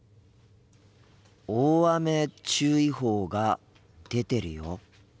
大雨注意報が出てるよ。